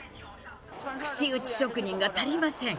串打ち職人が足りません。